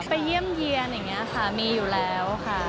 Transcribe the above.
ไปเยี่ยมเยี่ยนอย่างนี้ค่ะมีอยู่แล้วค่ะ